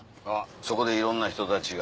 そこでいろんな人たちが。